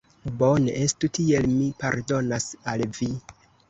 Bone, estu tiel, mi pardonas al vi.